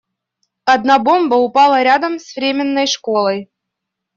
Одна бомба упала рядом с временной школой.